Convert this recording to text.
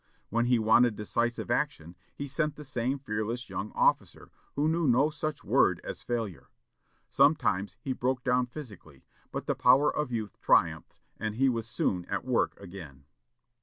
When he wanted decisive action, he sent the same fearless young officer, who knew no such word as failure. Sometimes he broke down physically, but the power of youth triumphed, and he was soon at work again.